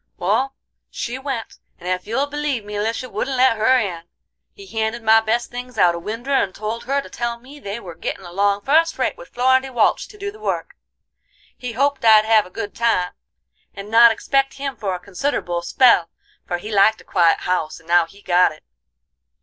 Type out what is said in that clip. "Wal, she went, and ef you'll believe me Lisha wouldn't let her in! He handed my best things out a winder and told her to tell me they were gittin' along fust rate with Florindy Walch to do the work. He hoped I'd have a good time, and not expect him for a consider'ble spell, for he liked a quiet house, and now he'd got it.